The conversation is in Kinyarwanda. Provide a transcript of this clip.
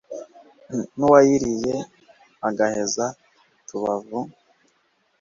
N'uwayiriye agaheza utubavu,